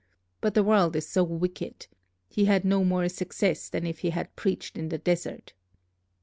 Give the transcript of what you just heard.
But the world is so wicked! He had no more success than if he had preached in the desert."